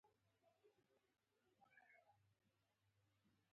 ژبه د ژړا علت هم ګرځي